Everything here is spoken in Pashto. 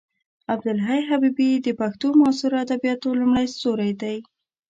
عبدالحی حبیبي د پښتو معاصرو ادبیاتو لومړی ستوری دی.